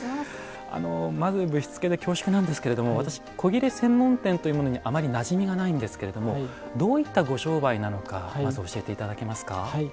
あのまずぶしつけで恐縮なんですけれども私古裂専門店というものにあまりなじみがないんですけれどもどういったご商売なのかまず教えて頂けますか？